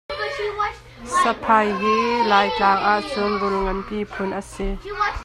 Saphai hi Laitlang ahcun rul ngan bik phun a si.